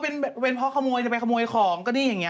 เป็นเพราะขโมยจะไปขโมยของก็นี่อย่างนี้